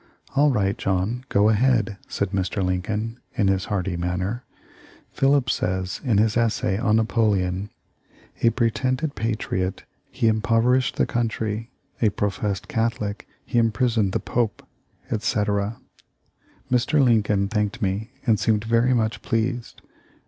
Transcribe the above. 'All right, John, go ahead,' said Mr. Lincoln in his hearty manner. 'Phillips says, in his essay on Napoleon, "A pretended patriot, he impoverished the country; a professed Catholic, he imprisoned the Pope," ' etc. Mr. Lincoln thanked me and seemed very much pleased.